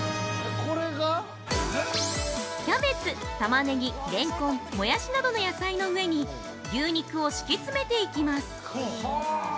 ◆これが◆キャベツ、玉ねぎ、レンコン、もやしなどの野菜の上に牛肉を敷き詰めていきます。